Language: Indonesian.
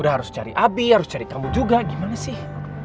dia harus cari abi harus cari kamu juga gimana sih